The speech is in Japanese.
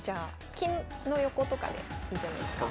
金の横とかでいいんじゃないですか。